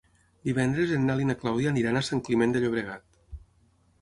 Divendres en Nel i na Clàudia iran a Sant Climent de Llobregat.